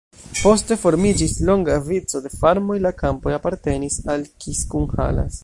Poste formiĝis longa vico de farmoj, la kampoj apartenis al Kiskunhalas.